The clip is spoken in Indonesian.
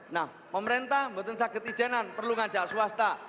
nah pemerintah buatan saya ketijanan perlu ngajar swasta